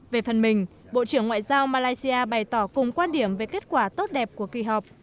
về phần mình bộ trưởng ngoại giao malaysia bày tỏ cùng quan điểm về kết quả tốt đẹp của kỳ họp